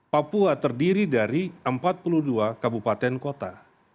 papua terdiri dari empat puluh dua kabupaten kota